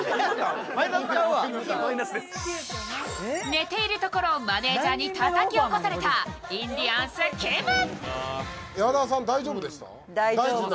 寝ているところをマネージャーにたたき起こされたインディアンス・きむ。